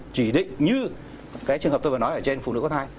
chỉ định như cái trường hợp tôi vừa nói ở trên phụ nữ có thai